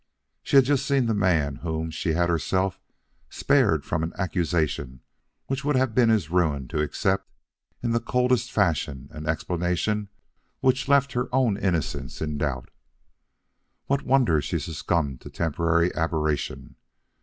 She had just seen the man whom she had herself spared from an accusation which would have been his ruin accept in the coldest fashion an explanation which left her own innocence in doubt. What wonder she succumbed to temporary aberration!